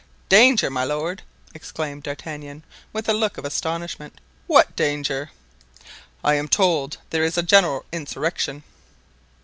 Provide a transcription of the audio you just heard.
"Danger, my lord!" exclaimed D'Artagnan with a look of astonishment, "what danger?" "I am told that there is a general insurrection."